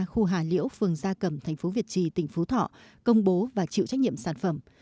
khu hà liễu phường gia cầm tp việt trì tỉnh phú thọ công bố và chịu trách nhiệm sản phẩm